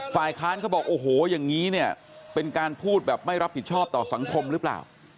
ฝ่ายค้านเขาบอกโอ้โหอย่างนี้เนี่ยเป็นการพูดแบบไม่รับผิดชอบต่อสังคมหรือเปล่า